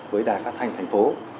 với đài phát thanh thành phố